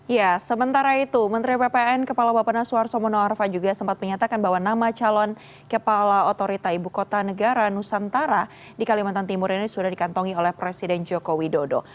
ya sementara itu menteri ppn kepala bapak naswar somono arfa juga sempat menyatakan bahwa nama calon kepala otorita ibu kota negara nusantara di kalimantan timur ini sudah dikantongi oleh presiden joko widodo